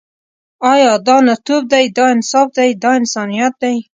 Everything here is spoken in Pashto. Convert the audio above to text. آیا دا نرتوب دی، دا انصاف دی، دا انسانیت دی.